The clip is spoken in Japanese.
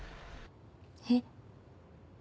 えっ。